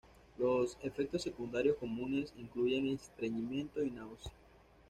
Los efectos secundarios comunes incluyen estreñimiento y náusea.